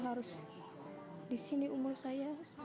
harus di sini umur saya